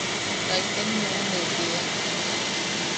Kaitem nuʼune tiia.